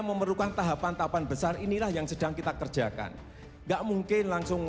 memerlukan tahapan tahapan besar inilah yang sedang kita kerjakan enggak mungkin langsung